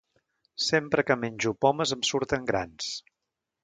Sempre que menjo pomes em surten grans